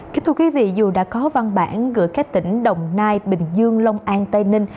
kính thưa quý vị dù đã có văn bản gửi các tỉnh đồng nai bình dương long an tây ninh